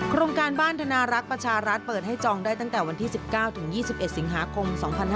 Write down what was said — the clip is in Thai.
โครงการบ้านธนารักษ์ประชารัฐเปิดให้จองได้ตั้งแต่วันที่๑๙ถึง๒๑สิงหาคม๒๕๕๙